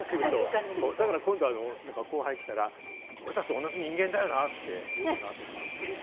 今度は後輩が来たら、俺たちを同じ人間だよなって、言おうかなと思いますね。